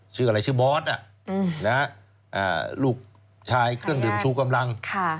ชื่ออะไรชื่อบอสลูกชายเครื่องดื่มชูกำลัง